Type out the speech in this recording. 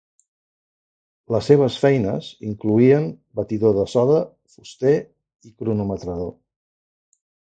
Les seves feines incloïen batidor de soda, fuster i cronometrador.